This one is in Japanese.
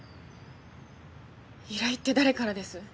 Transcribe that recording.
依頼って誰からです？